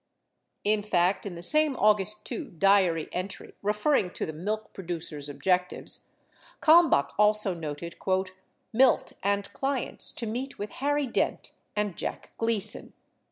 In fact, in the same August 2 diary entry referring to the milk pro ducers' objectives, Kalmbach also noted "Milt and clients to meet with Harry Dent and Jack Gleason."